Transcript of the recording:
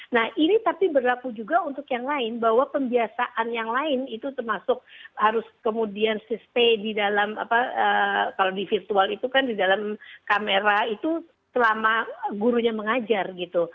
nah ini tapi berlaku juga untuk yang lain bahwa pembiasaan yang lain itu termasuk harus kemudian sustay di dalam apa kalau di virtual itu kan di dalam kamera itu selama gurunya mengajar gitu